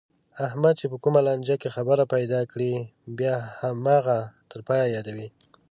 احمد چې په کومه لانجه کې خبره پیدا کړي، بیا هماغه تر پایه یادوي.